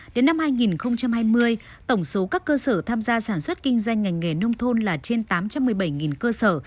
đến năm hai nghìn hai mươi tổng số các cơ sở tham gia sản xuất kinh doanh ngành nghề nông thôn là trên tám trăm một mươi bảy cơ sở